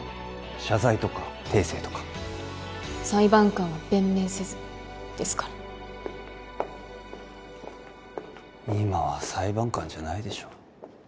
謝罪とか訂正とか裁判官は弁明せずですから今は裁判官じゃないでしょ